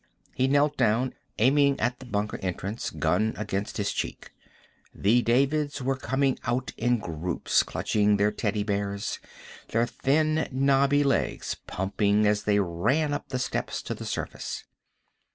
He knelt down, aiming at the bunker entrance, gun against his cheek. The Davids were coming out in groups, clutching their teddy bears, their thin knobby legs pumping as they ran up the steps to the surface.